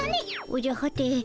おじゃはて。